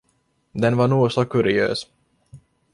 Den var nog så kuriös.